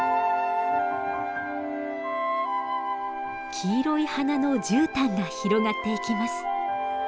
黄色い花のじゅうたんが広がっていきます。